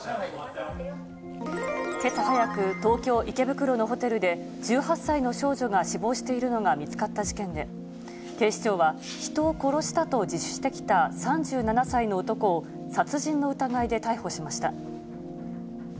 けさ早く、東京・池袋のホテルで、１８歳の少女が死亡しているのが見つかった事件で、警視庁は人を殺したと自首してきた３７歳の男を、殺人の疑いで逮捕しました。